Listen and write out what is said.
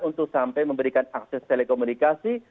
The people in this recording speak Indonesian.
untuk sampai memberikan akses telekomunikasi